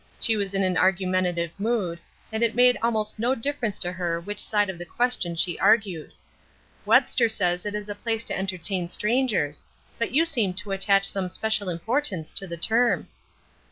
She was in an argumentative mood, and it made almost no difference to her which side of the question she argued. "Webster says it is a place to entertain strangers, but you seem to attach some special importance to the term."